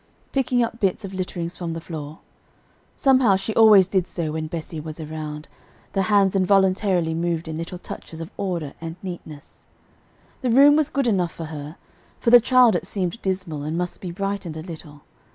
picking up bits of litterings from the floor. Somehow she always did so when Bessie was around, the hands involuntarily moved in little touches of order and neatness. The room was good enough for her: for the child it seemed dismal and must be brightened a little.